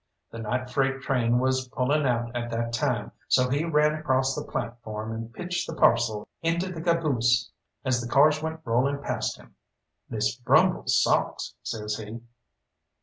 The night freight train was pulling out at the time, so he ran across the platform and pitched the parcel into the caboose as the cars went rolling past him. "Miss Brumble's socks!" says he.